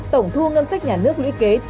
tổng thu ngân sách nhà nước lũy kế